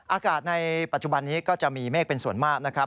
อากาศในปัจจุบันนี้ก็จะมีเมฆเป็นส่วนมากนะครับ